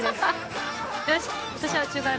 よし。